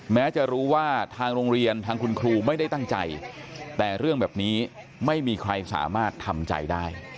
แม้จะรู้ว่าทางโรงเรียนทางคุณครูไม่ได้ตั้งใจแต่เรื่องแบบนี้ไม่มีใครสามารถทำใจได้